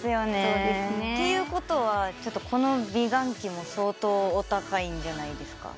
そうですねっていうことはちょっとこの美顔器も相当お高いんじゃないですか？